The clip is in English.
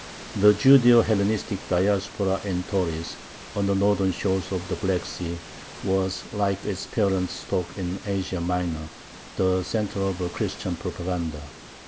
The Judeo Hellenistic Diaspora in Tauris, on the northern shores of the Black Sea, was, like its parent stock in Asia Minor, the center of a Christian propaganda.